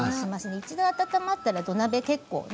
一度温まったら土鍋はね。